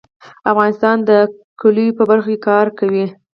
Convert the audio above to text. افغانستان د کلیو په برخه کې کار کوي.